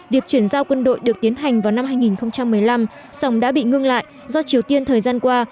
việc chuyển giao quân đội được tiến hành vào năm hai nghìn một mươi năm song đã bị ngưng lại do triều tiên thời gian qua